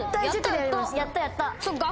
やったやった！